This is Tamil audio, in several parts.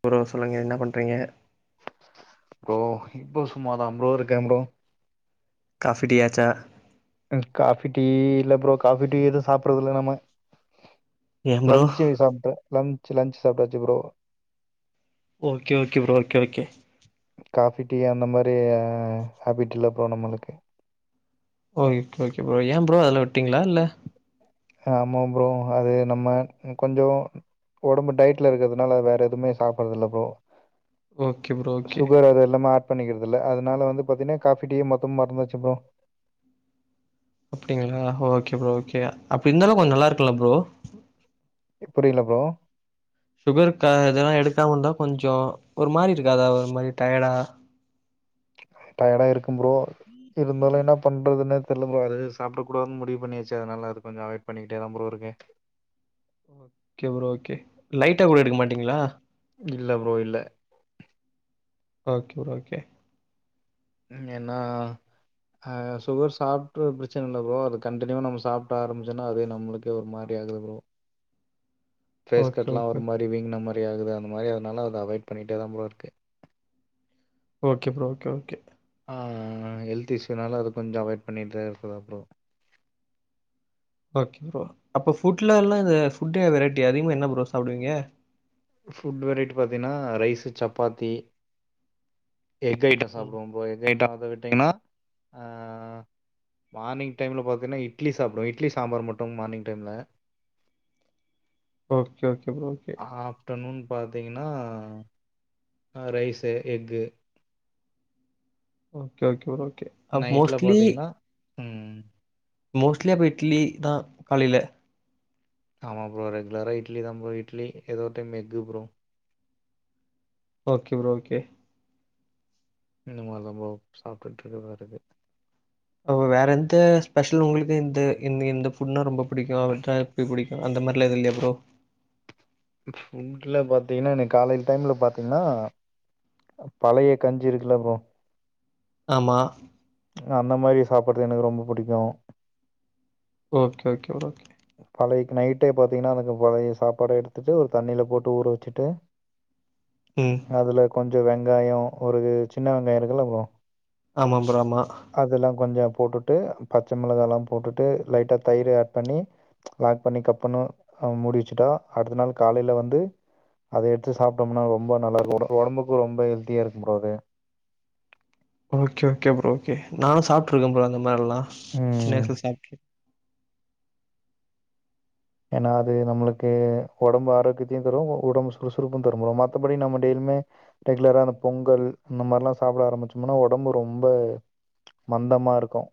ப்புறோ சொல்லுங்க என்ன பண்றீங்க ப்ரோ இப்ப சும்மாதா ப்ரோ இருக்கே ப்ரோ காஃபி டீ ஆச்சா ம் காபி டீ இல்ல ப்ரோ காபி டீ எதுவு சாப்பட்றதில்ல நம்ப ஏன் ப்ரோ லன்ச்சு சாப்டே லன்ச் லன்ச் சாப்டாச்சு bro okay okay bro okay okay coffee tea அந்த மாரி ஹேபிட்டில்ல இப்போ நம்மளுக்கு ஓகே ஓகே ப்ரோ ஏ ப்ரோ அதுல விட்டீங்ளா இல்ல ஆமா ப்ரோ அது நம்ம கொஞ்சோ ஒடம்பு டைட்ல இருக்கறதுனால வேற எதுமே சாப்பறது இல்ல ப்ரோ ஓகே ப்ரோ ஓகே பண்ணிக்கறதில்ல அதனால வந்து பாத்தீனா காஃபி டீயே மொத்துமா மறந்தாச்சு ப்ரோ அப்டிங்களா ஓகே ப்ரோ ஓகே அப்டி இந்தாலு கொஞ்சோ நல்லாருக்குல்ல ப்ரோ எப்படி இல்ல ப்ரோ சுகருக்கா இதெல்லா எடுக்காமந்தா கொஞ்சோ ஒரு மாரிருக்காதா ஒரு மாரி டயடா டயடா இருக்கும் ப்ரோ இருந்தாலு என்ன பண்றதுன்னே தெர்ல ப்ரோ அது சாப்ட கூடாதுன் முடிவு பண்ணியாச்சு அதனால அது கொஞ்சோ அவாய்ட் பண்ணிக்கிட்டே தா ப்ரோ இருக்கே ஓகே ப்ரோ ஓகே லைட்டா கூட எடுக்க மாட்டீங்ளா இல்ல ப்ரோ இல்ல ஓகே ப்ரோ ஓகே ஏன்னா அ சுகர் சாப்புட்ர பிரச்சன இல்ல ப்ரோ அது கண்டினியூா நம்ம சாப்ட ஆரம்பிச்சுன்னா அதே நம்ளுக்கே ஒரு மாரி யாகுது ப்ரோ ஓகே ஃபேஸ்கட்லா ஒரு ஓகே மாரி வீங்ன மாரி ஆகுது அந்த மாரி அதனால அத அவாய்ட் பண்ணிட்டே தா ப்ரோ இருக்கே ஓகே ப்ரோ ஓகே ஓகே அ ஹெல்த் இஷுனால அது கொஞ்சோ அவாய்ட் பண்ணிட்டே இருக்குறன் ப்ரோ ஓகே ப்ரோ அப்ப ஃபுட்ல எல்லா இந்த ஃபுட் வெரைட்டி அதிகமா என்ன ப்ரோ சாப்டுவீங்க ஃபுட் வெரைட்டி பாத்தீனா ரைஸு சப்பாத்தி எக் ஐட்டம் சாப்டுவோ ப்ரோ எக் ஐட்டம் அத விட்டீங்னா அ மார்னிங் டைம்ல பாத்தீன்னா இட்லி சாப்டுவ இட்லி சாம்பார் மட்டு மார்னிங் டைம்ல ஓகே ஓகே ப்ரோ ஓகே பாத்தீங்னா அ rice egg okay okay bro okay. அப்ப நைட்ல பாத்தீங்னா ம் மோஸ்லி அப்ப இட்லி தா காலைல ஆமா ப்ரோ ரெகுலரா இட்லி தா ப்ரோ இட்லி எதோ time egg bro okay bro okay இந்த மாரி தா ப்ரோ சாப்ட்டுட்டு இருக்கதாருக்கு அப்ப வேற எந்த ஸ்பெஷல் உங்ளுக்கு இந்த இந் இந்த ஃபுட்னா ரொம்ப புடிக்கு [unintelligible] புடிக்கு அந்த அந்த மாரிலா எது இல்லியா ப்ரோ ஃபுட்ல பாத்தீங்னா எனக்கு காலேஜ் டைம்ல பாத்தீங்னா பழைய கஞ்சி இருக்குல ப்ரோ ஆமா அந்த மாரி சாப்புற எனக்கு ரொம்ப புடிக்கு ஓகே ஓகே ப்ரோ பழைய நைட்டே பாத்திங்கன்னா அதுக்கு பழைய சாப்பாட எடுத்துட்டு ஒரு தண்ணில போட்டு ஊற வச்சுட்டு ம். அதுல கொஞ்சோ வெங்காயோ ஒரு சின்ன வெங்காயோ இருக்குல்ல ப்ரோ ஆமா ப் அதுல்லா கொஞ்சோ போட்டுட்டு பச்ச மிளகாலா போட்டுட்டு லைட்டா தயிர் ஆட் பண்ணி லாக் பண்ணி கப்புனு முடி வச்சுட்டா அடுத்த நாள் காலைல வந்து அத எடுத்து சாப்ட்டோம்னா ரொம்ப நல்லாருக்கு ஒடம்பு ஒடம்புக்கு ரொம்ப ஹெல்த்தியாருக்கு ப்ரோ அது ஓகே ஓகே ப்ரோ ஓகே நானு சாப்ட்டுருக்கே ப்ரோ அந்த மாரிலா சின்ன ம் வய்சுல சாப்ட்டே ஏனா அது நம்ளுக்கு ஒடம்பு ஆரோக்கியத்தையு தரும் ஒ ஒடம்பு சுறுசுறுப்பு தரு ப்ரோ மத்தபடி நம்ம டெய் யுமே ரெகுலரா அந்த பொங்கல் இந்த மாதிரிலா சாப்ட ஆரம்பிச்சம்னா ஒடம்பு ரொம்ப மந்தமா இருக்கு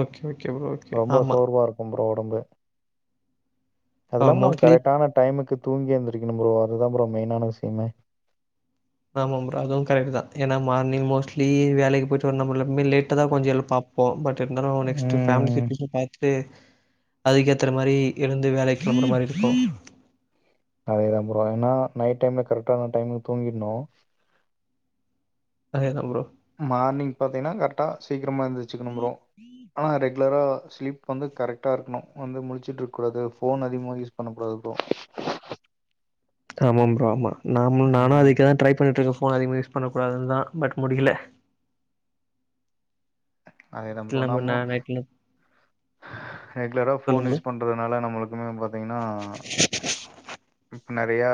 ஓகே ஓகே ப்ரோ ஓகே. ரொம்ப ஆமா. சோர்வாருக்கு ப்ரோ ஒடம்பு அ அதுல்லாம நம்ம மோஸ்ட்லி கரெக்டான டைமுக்கு தூங்கி எந்திருக்கணும் ப்ரோ அதுதான் ப்ரோ மெயினான விஷயமே ஆமா ப்ரோ அதுவும் கரக்ட்டு தான் ஏன்னா மார்னிங் மோஸ்ட்லி வேலைக்கு போயிட்டு வந்தாமுடில ரொம்ப்வே லேட்டா தான் கொஞ்ச எழ பாப்போம் பட் இருந்தாலும் நெஸ்ட்டு ஃபேமிலி ம் சிட்டுவேஷன் பாத்துட்டு அதுக்கேத்தற மாரி எழுந்து வேலைக்கு கெளம்புற மாரி இருக்கும் அதேதான் ப்ரோ ஏன்னா நைட் டைம்ல கரெக்ட்டான டைமுக்கு தூங்கிட்னும் அதே தான் ப்ரோ மார்னிங் பாத்தீங்கன்னா கர்ட்டா சீக்கிரமா எந்திர்ச்சுக்கணும் ப்ரோ ஆனா ரெக் குலரா ஸ்லீப் வந்து கரெக்டாக இருக்கணும் வந்து முழிச்சுட்டு இருக்கூடாது ஃபோன் அதிகமாக யூஸ் பண்ணக்கூடாது ப்ரோ ஆமாம் ப்ரோ ஆமா நாமு நானும் ம் அதுக்குதான் ட்ரை பண்ணிட்டு இருக்கேன் ப் ஃபோன் அதிக யூஸ் பண்ண கூடாதுன்னு தான் பட் முடியல அதேதான் மோஸ்ட்லி ப்ரோ நம்ம நமோ நா நைட்ல ரெகுலரா ஃபோன் சொல்லுங்க யூஸ் பண்றதுனால நம்மளுக்குமே பாத்தீங்கன்னா இப்ப நெறயா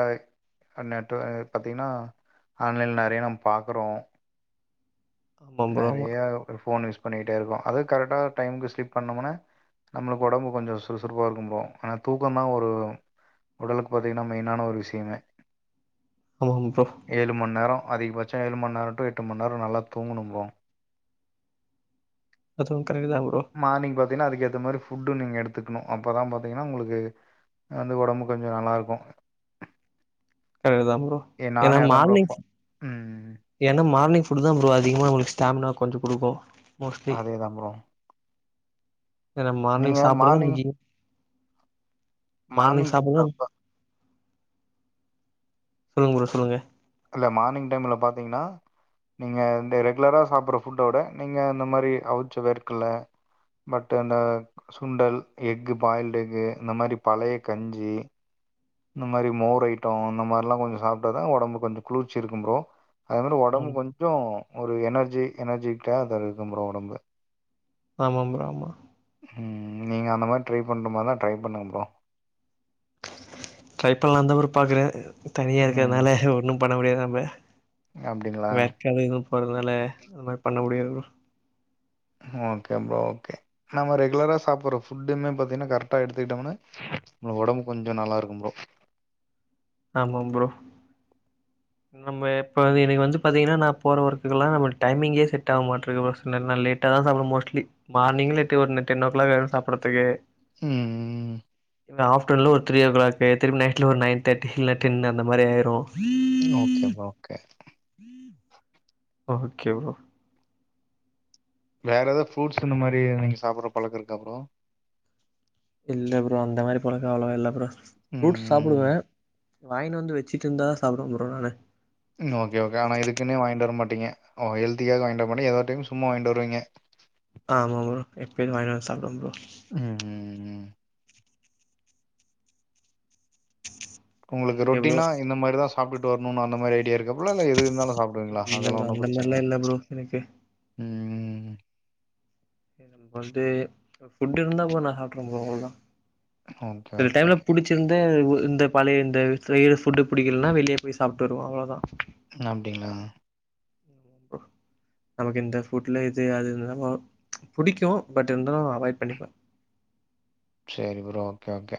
நெட்டு பாத்தீங்கன்னா ஆன்லைன்ல நெறயா நம்ம பாக்குறோம் ப்ரோ ஆமா ப்ரோ ஆமா நெறைய போன் யூஸ் பண்ணிகிட்டே இருக்கோம் அதுவும் கரெக்டா டைமுக்கு ஸ்லிப் பண்ணோமுனா நம்மளுக்கு ஒடம்பு கொஞ்சம் சுறுசுறுப்பா இருக்கும் ப்ரோ ஆனா தூக்கந்தான் ஒரு உடலுக்கு பாத்தீங்கன்னா மெயினான ஒரு விஷயமே ஆமாம் ப்ரோ ஏழு மண்நேரம் அதிகபச்சம் ஏழு மண்நேரம் டு எட்டு மண்நேரம் நல்லா தூங்கணும் ப்ரோ அதுவும் கரெக்ட் தா ப்ரோ டினா அதுக்கேத்த மாரி ஃபுட்டும் நீங்க எடுத்துக்குணும் அப்பதான் பாத்தீங்கன்னா உங்களுக்கு வந்து ஒடம்பு கொஞ்சம் நல்லாருக்கும் கரெக்ட்டு தான் ப்ரோ ஏன்னா ப்ரோ மார்னிங் ஃபா ம் ஏன்னா மார்னிங் ஃபுட் தான் ப்ரோ அதிகமா உங்ளுக்கு ஸ்டமினா கொஞ்சம் குடுக்கும் அதேதான் ப்ரோ ஏன்னா மார்னிங் நீங்க சாப்பாடுதான் முக்யம் மார்னிங்கு [unintelligible] சொல்லுங்க ப்ரோ சொல்லுங்க இல்ல மார்னிங் டைம்ல பாத்தீங்ன்னா நீங்க இந்த ரெகுலரா சாப்புட்ற ஃபுட்டோட நீங்க இந்த மாரி அவுச்ச வேர்க்கல்ல பட் அந்த சுண்டல் எக்கு பாயில்டு எஃகு இந்த மாதிரி பழைய கஞ்சி இந்த மாரி மோர் ஐட்டம் இந்த மார்ல்லாம் கொஞ்சம் சாப்ட்டாதான் ஒடம்புக்கு வந்து குளிர்ச்சி இருக்கும் ப்ரோ அதுமாரி ஒடம்பு ஆம் கொஞ்சோ ஒரு எனர்ஜி எனர்ஜிட்டியா அது இருக்கும் ப்ரோ ஒடம்பு ஆமாம் ப்ரோ ஆமா ம் நீங்க அந்த மாரி ட்ரை பண்ற மார்னா ட்ரை பண்ணுங்க ப்ரோ ட்ரை பண்லான்னு தா ப்ரோ பாக்குறேன் தனியா ம் இருக்கதுனால ஒன்னும் பண்ண முடியாது நம்ப அப்டிங்களா வேக்கா எதும் போறதுனால அது மாரி பண்ண முடியாது ப்ரோ ஓகே ப்ரோ ஓகே நம்ம ரெகுலரா சாப்புட்ற ஃபுட்டுமே பாத்தீங்ன்னா கரெக்ட்டா எடுத்துக்கிட்டோம்ன்னா ஒ ஒடம்பு கொஞ்சம் நல்லா இருக்கும் ப்ரோ ஆமாம் ப்ரோ நம்ம இப்ப எனக்கு வந்து பாத்தீங்ன்னா நா போற ஒர்க்குகெல்லாம் நம்மள்க் டைமிங்கே செட் ஆவ மாட்ருக்கு ஒருசில நாள் லேட் ட்டா தான் சாப்டுவேன் மோஸ்ட்லி மார்னிங்கு லேட்டு ஒரு டென் ஓ க்லாக் ஆயிரும் சாப்புட்றதுக்கு உம் ம் ஆப்டர்ன்ல ஒரு த்ரீ ஓ க்ளாக்கு திரும்பி நைட்ல ஒரு நயன் தேட்டி இல்ல டென்னு அந்தமாரி ஆயிரும் okay bro okay okay bro வேற எதாது ஃப்ரூட்ஸ் இந்த மாரி நீங்க சாப்புட்ற பழக்கம் இருக்கா ப்ரோ இல்ல ப்ரோ அந்த மாரி பழக் ம் அவ்ளோவா வாயின்னுவந்து வச்சிட்ருந்தா சாப்டுவே ப்ரோ நானு ம் ஓகே ஓகே ஆனாது இதுக்குன்னே வாங்கிட்டு வர மாட்டீங்க ஓ ஹல்தியாக வாங்கிட்டு வர மாட்டீங்க ஏதோ டைம் சும்மா வாங்கிட்டு வருவீங்க ஆமா ப்ரோ எப்பயவாங்கின வந்து சாப்டுவே ப்ரோ ம் அப்றோ உங்களுக்கு நீங்க ப்ரோ ரொட்டீனா இந்த மாரிதா சாப்ட்டுட்டு வரணு அந்த மாரி அப்டியே இருக்காப்ல இல்ல எது இருந்தாலு சாப்டுவீங்களா இல்ல அதெல்லா ப்ரோ ஒன்னு அந்த பிரச்சனை மாரிலா இல்லையா இல்ல ப்ரோ எனக்கு ம் வந்து புட்டு் இருந்தா போ நா சாப்ட்றே ப்ரோ அவ்ளதா ஓகே சில ஓகே டைம்ல புடிச்சிருந் து இந்த பழைய இந்த ஃபுட்டு பிடிக்கலன்னா வெளியே போய் சாப்ட்டு வருவோ அவ்வளோதா அப்டிங்களா உ நமக்கு இந்த ஃபுட்ல இது அது இருந்து புடிக்கு பட் இருந்தாலு அவாய்ட் பண்ணிப்பே சரி ப்றோ ஓகே ஓகே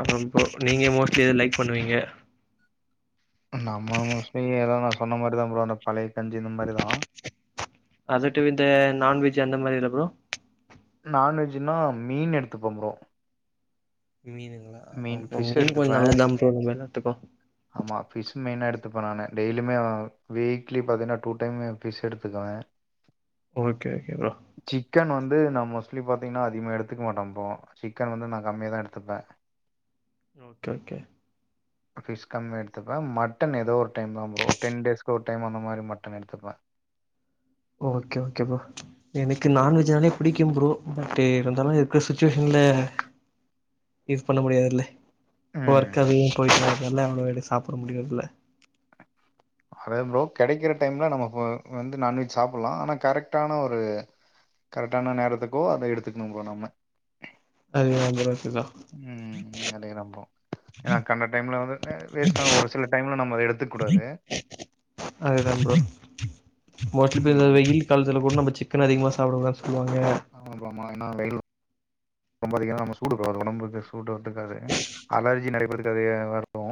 அப்பறம்ப்ப நீங்க மோஸ்ட்லி லைக் பண்ணுவீங்க நம்ம மோஸ்ட்லி ஏத நா சொன்ன மாரிதா ப்ரோ அந்த பழைய கஞ்சி இந்த மாரிதா அததுட்ட வி இந்த நாான் வெஜ் அந்த மாதிரி இல்லப்ோ நான்வெஜ்ன்னா மீன் எடுத்துப்பம்புறோ மீனுங்களா ஆமா மீன் ப்ரோ பிஸ் மீன் கொஞ்சோ எடுத்துப்பே நல்லதுதா ப்ரோ நம்ம எல்லாத்துக்கு ஆமா பிஸ் மென எடுத் துப்பே நானு டெய்லுமே வீக்லி பாத்தீங்கன்னா டூ டைம் பிஸ் எடுத்துக்குவே ஓகே ஓகே ப்ரோ சிக்கன் வந்து நா மோஸ்ட்லி பாத்தீங்கன்னா அதிகமா எடுத்துக்க மாட்டே ப்ரோ சிக்கன் வந்து நா கம்மியா தா எடுத்துப்பே ஓகே ஓகே பிஷ் கம்மியா எடுத்துப்பே மட்டன் ஏதோ ஒரு டைம்தா ப்ரோ ஒரு டென் டேஸ்க்கு ஒரு டைம் அந்த மாரி மட்ட எடுத்துப்பே [inaudible] ஓகே ஓகே ப்ரோ எனக்கு நான்வெஜ்னாலே பிடிக்கும் ப்ரோ பட் இருந்தாலு இருக்குற சிச்சுவேசன் ல [unintelligible] இது பண்ண முடியாதுல்ல ம். ஒர்க்கையு பபோய்ட்டுல்ல எவ்வளவு சாப்பிட முடியுறது இல்ல அதே ப்ரோ கெடைக்கிற டைம்ல நம்ம இப்ப வந்து நான்வெஜ் சாப்பலா ஆனா கரெக்டான ஒரு கரெக்டான நேரத்துக்கோ அத எடுத்துக்கணு போ நம்ம அது [unintelligible] ம் ம் அதைய நம்பறோ ஏன்னா கண்ட டைம்ல வந்து வேஸ்ட்டா ஒரு சில டைம்ல நம்ம எடுத்துக்க கூடாது அதுதா ப்ரோ மோ [unintelligible] ம் வெயில் காலத்துல கூட நம்ம சிக்கன் அதிகமா சாப்ட கூடாது சொ ஆமா ப்ரோ ஆமா என்னா வெயில் ரொம்ப அதிக ம சூடு ப்ரோ உடம்புக்கு சூடு இருக்காது அலர்ஜி நெறைய பேதுக்கு அது இருக்கு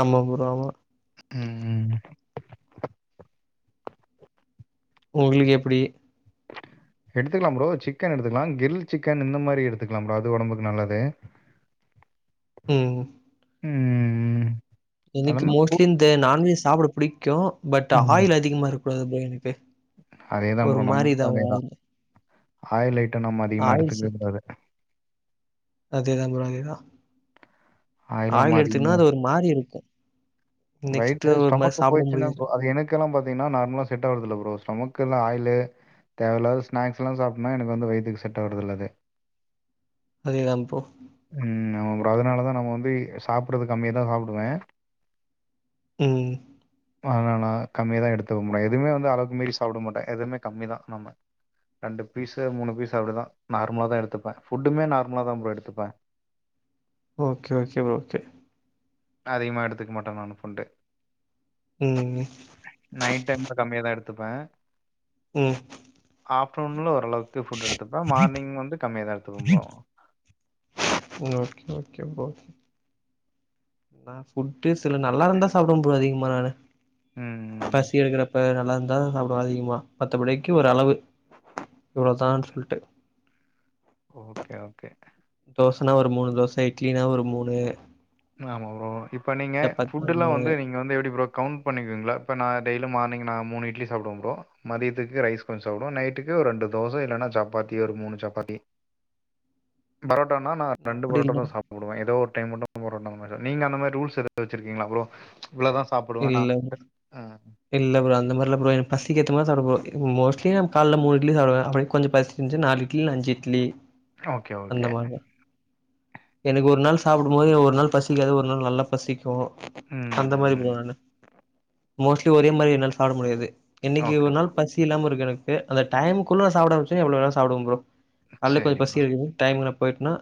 ஆமா புரோ ஆமா ம் உங்களுக்கு எப்டி [inaudible] [inaudible] எடுத்துக்கலா ப்ரோ சிக்கன் எடுத்துக்கலா கிரில் சிக்கன் இந்த மாரி எடுத்துக்கலா ப்ரோ அது ஒடம்புக்கு நல்லது [inaudible] ம் ம் ம் எனக்கு மோஸ்ட்லி இந்த நான்வெஜ் சாப்பிட பிடிக்கு பட் ம் ஆயில் அதிகமா இருக்கூடாது பாய் எனக் ஒரு மாறிதா வாழ்ந்த ஆயள் ஐட்ட நம்ம அதிகமா எடுத்துக்க கூடாது அதேதா ப்ரோ அதேதா நம்ம ஆயில் அதிகமா எடுத்திங்கன்னா அது ஒரு மாரி இருக்கு வயிறு நெக்ஸ்ட்டு ஒரு மாரி ஸ்டமக்கு சாப்பிட போயிச்சுனா முடியாது அது எனக்குல்லா பா திங்ன்னா நார்மலா செட் ஆகுறதுல பரோ ஸ்டமக்னா ஆயிலு தேவயில்லாதது ஸ்நாக்ஸ் எல்லா சாப்டனா எனக்கு வந்து வயித்துக்கு செட்ட ஆவுறதில்லங்க அதேதா ப்ரோ அதனாலதா நா வந்து சாப்புட்றது கம்மியா தா சாப்டுவ ம் ஆன நா கம்மியாதா எடுத்துக முடியு எதுமே வந்து அளவுக்கு மீறி சாப்புடமாட்ட எதுமே கம்மி தா நம்ம ரெண்டு பீஸ்ஸு மூணு பீஸு அவ்ளோதா நார்மலா தா எடுத்துப்பே ஃபுட்டுமே நார்மலா தா ப்ரோ எடுத்துப்பே ஓகே ஓகே ப்ரோ கே அதிகமா எடுத்துக்க மாட்டே நானு ஃபுட்டு ம் நைட் டைம்கு கம்மியாதா எடுத்துப்பே ம் தூம்லோ ஓரளவுக்கு ஃபுட் எடுத்துப்பே மார்னிங் வந்து கம்மியா தா எடுத்துப்ப ப்ரோ ஓகே ஓகே ப்ரோ நா ஃபுட்டு சில நல்லாருந்தா சாப்டுவே ப்ரோ அதிகமா நானு ம். பசி எடுக்கறப்ப நல்லா இருந்தா சாப்டுவ அதிகமா மத்த படிக்கு ஒரு அளவு இவ்ளோதான் சொல்ட்டு ஓகே ஓகே தோசனா ஒரு மூணு தோச இட்லினா ஒரு மூணு ம் ஆமா ப்ரோ இப்ப நீங்க சப்பாத்தி ஒரு ஃபுட்டுலா மூணு வந்து நீங்க வந்து எப்டி ப்ரோ கவுண்ட் பண்ணிக்வீங்களா இப்ப நா டெய்லியு மார்னிங் நா மூணு இட்லி சாப்டுவ ப்ரோ மதியத்துக்கு ரைஸ் கொஞ்ச சாப்டுவ நைட்டுக்கு ஒரு ரெண்டு தோச இல்லனா சப்பாத்தி ஒரு மூணு சப்பாத்தி பரோ ட்டாணா நா ரெண்டு அப்டி புரோட்டா இல்ல தா சாப்டுவ ப்ரோ ஏதோ ஒரு டைம் மட்டு பரோட்டாங்க மாரி தா நீங்க அந்தமாரி ரூல்ஸ் எதா வச்சிருக்கீங்களா ப்ரோ இவ்ளதான் சாப்டுவேன் நான். இல்ல அ இல்ல ப்ரோ அந்த மார் இல்ல ப்ரோ பசிக்கேத்த மாரி சாப்டுவ ப்ரோ இப்ப மோஸ்ட்லி நம் கால்ல மூணு இட்லி சாப்டுவ அப்டி கொஞ்ச பசிஞ்சுன்சு நாலு இட்லி இல்ல அஞ்சு இட்லி ஓகே அந்த ஓகே மாரிதா எனக்கு ஒரு நாள் சாப்புடும் போது ஒரு நாள் பசிக்காது ஒரு நாள் நல்லா பசிக்கு அந்த மாரி ம். ப்ரோ நா மோஸ்ட்லி ஒரே மாரி என்னால சாப்ட முடியாது இன்னைக்கு ஓகே ஒரு ப்ரோ. நாள் பசி இல்லாம இருக்கு எனக் கு அந்த டைமுக்குள்ள சாப்ட ஆரம்பிச்சே எவ்ளோ வேனாலு சாப்டுவெ ப்ரோ நல்ல கொஞ்ச சரி பசி ப்ரோ. இருக்கும்பொ டைம்ல போய்ட்னா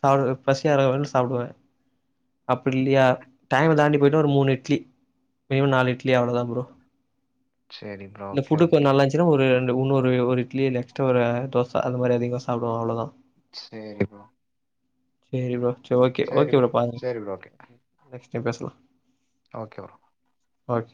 சா பசி ஆர்ற வர சாப்டுவெ அப்டி இல்லையா டைம் தாண்டி போயட்டா ஒரு மூணு இட்லி மினிமம் நாலு இட்லி அவ்ளோதா ப்ரோ சரி ப்ரோ. இந்த ஓகே ஃபுட்டு இப்ப ஓகே. நல்லான்ச்சுன்னா ஒரு இந்த உன்னுரு ஒரு இட்லி இல்ல எக்ஸ்ட்ரா ஒரு தோச அது மாரி அதிகமா சாப்டுவ அவ்ளோதா சேரி ப்ரோ சேரி ப்ரோ சே ஓகே சரி ஓகே ப்ரோ பாரு சரி ப்ரோ. ஓகே. நெக்ஸ் டைம் பேச்லா ஓகே ப்ரோ ஓகே